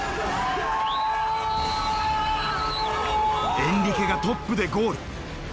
エンリケがトップでゴール。